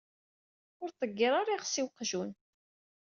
Ur ṭeggir ara iɣes i weqjun.